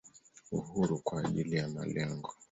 Uhuru kwa ajili ya malengo.